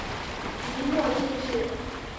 明末进士。